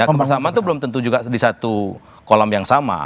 ya kebersamaan itu belum tentu juga di satu kolam yang sama